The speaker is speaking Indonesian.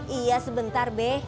iya sebentar be